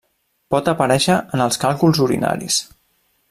Pot aparèixer en els càlculs urinaris.